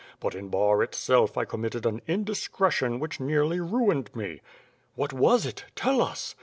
But, in Bar itself, I committed an indiscretion which nearly ruined me." 'TVhat was it. Tell us?"